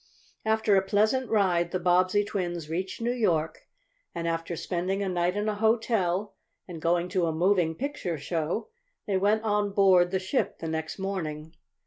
After a pleasant ride the Bobbsey twins reached New York, and, after spending a night in a hotel, and going to a moving picture show, they went on board the ship the next morning.